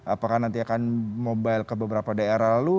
apakah nanti akan mobile ke beberapa daerah lalu